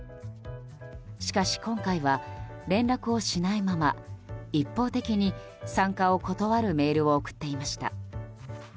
しかし今回は、連絡をしないまま一方的に参加を断るメールを送っていました。